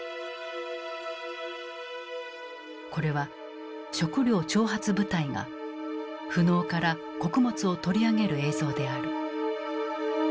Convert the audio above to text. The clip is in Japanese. これは食糧徴発部隊が富農から穀物を取り上げる映像である。